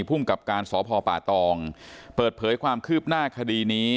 ภูมิกับการสพป่าตองเปิดเผยความคืบหน้าคดีนี้